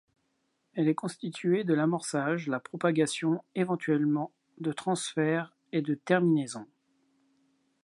Elle est constituée de l'amorçage, la propagation, éventuellement de transfert et de terminaison.